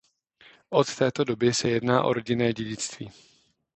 Od této doby se jedná o rodinné dědictví.